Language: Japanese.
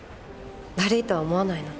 悪いとは思わないの？